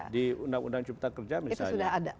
di undang undang cipta kerja misalnya